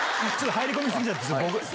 入り込み過ぎちゃって。